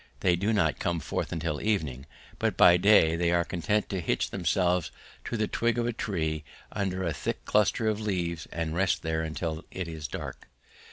They do not come forth until evening, but by day they are content to hitch themselves to the twig of a tree under a thick cluster of leaves and rest there until it is dark.